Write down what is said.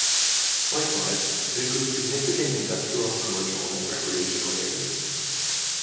Likewise, it includes significant industrial, commercial and recreational areas.